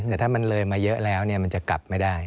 แต่ถ้ามันเลยมาเยอะแล้วมันจะกลับไม่ได้